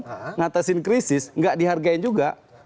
mengatasi krisis tidak dihargai juga